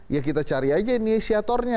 ya kita cari aja inisiatornya